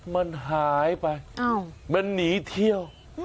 มันหายไปมันหนีเที่ยว